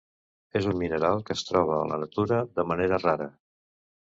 És un mineral que es troba a la natura de manera rara.